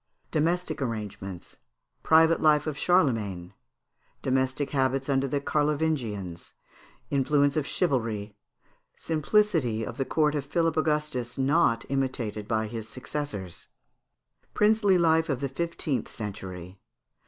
Domestic Arrangements. Private Life of Charlemagne. Domestic Habits under the Carlovingians. Influence of Chivalry. Simplicity of the Court of Philip Angustus not imitated by his Successors. Princely Life of the Fifteenth Century.